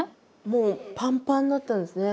もうパンパンだったんですね。